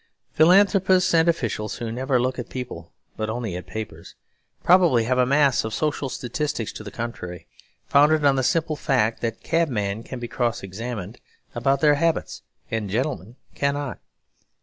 Philanthropists and officials, who never look at people but only at papers, probably have a mass of social statistics to the contrary; founded on the simple fact that cabmen can be cross examined about their habits and gentlemen cannot.